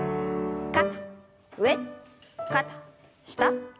肩上肩下。